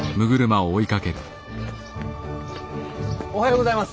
おはようございます！